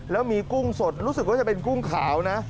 แล้วมีกุ้งสดรู้สึกว่าจะเป็นกุ้งขาวนะ